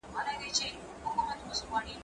زه بوټونه نه پاکوم!.